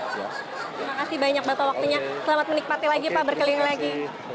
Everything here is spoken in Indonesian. terima kasih banyak bapak waktunya selamat menikmati lagi pak berkeliling lagi